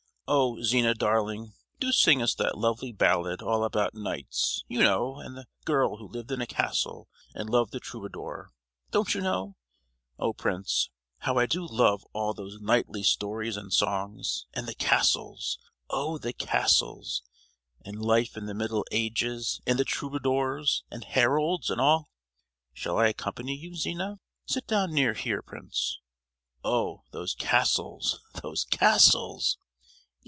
"Oh Zina darling, do sing us that lovely ballad all about knights, you know, and the girl who lived in a castle and loved a troubadour. Don't you know! Oh, prince, how I do love all those knightly stories and songs, and the castles! Oh! the castles, and life in the middle ages, and the troubadours, and heralds and all. Shall I accompany you, Zina? Sit down near here, prince. Oh! those castles, those castles!"